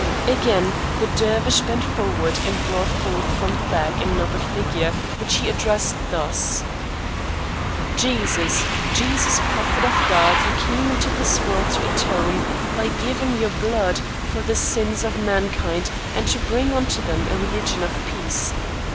Again the Dervish bent forward and brought forth from the bag another figure, which he addressed thus: "Jesus, Jesus, prophet of God, you came into this world to atone, by giving your blood, for the sins of mankind and to bring unto them a religion of peace.